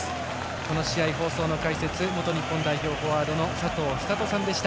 この試合、放送の解説元日本代表フォワードの佐藤寿人さんでした。